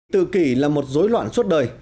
tự kỷ là một dối loạn suốt đời